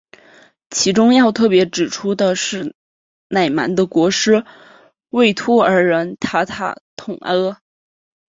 其中要特别指出的是乃蛮的国师畏兀儿人塔塔统阿。